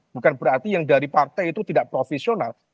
bukan berarti yang dari partai itu tidak profesional